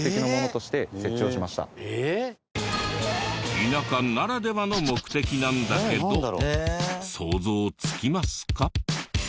田舎ならではの目的なんだけど想像つきますか？